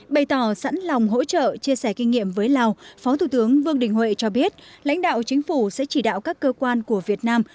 bày tỏ sẵn lòng hỗ trợ chia sẻ kinh nghiệm với lào phó thủ tướng vương đình huệ cho biết lãnh đạo chính phủ sẽ chỉ đạo các cơ quan của việt nam